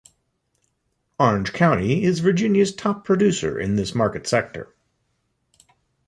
Orange County is Virginia's top producer in this market sector.